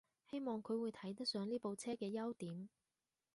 希望佢會睇得上呢部車啲優點